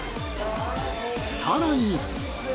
さらに。